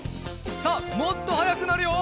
さあもっとはやくなるよ。